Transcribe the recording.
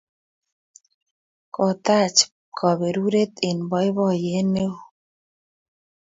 Kotach kaperuret eng' poipoiyet ne oo